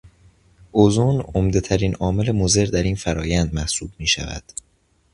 ازن عمدهترین عامل مضر در این فرآیند محسوب میشود.